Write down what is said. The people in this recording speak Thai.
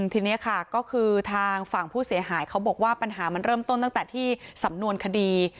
ทีนี้ค่ะก็คือทางฝั่งผู้เสียหายเขาบอกว่าปัญหามันเริ่มต้นตั้งแต่ที่สำนวนคดี